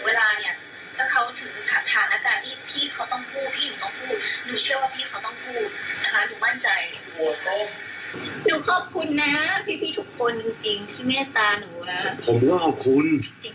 เป้นแฟนกลับคุณ